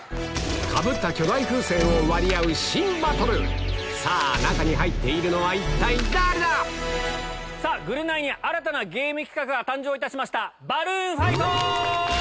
かぶった巨大風船を割り合う新バトルさぁ中に入っているのは一体誰だ⁉さぁ『ぐるナイ』に新たなゲーム企画が誕生しました。